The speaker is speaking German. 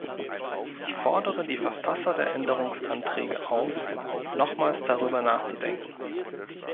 Ich fordere die Verfasser der Änderungsanträge auf, nochmals darüber nachzudenken.